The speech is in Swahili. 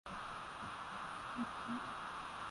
hili Msimamo wa kutosha wa uamuzi wa mamlaka